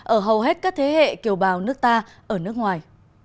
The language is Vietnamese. ở hầu hết các thế hệ kiều bào nước ta ở nước ngoài